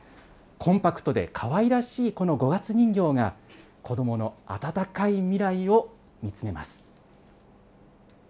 コンパクトでかわいらしい、この五月人形が、子どもの温かい未来を見つめます。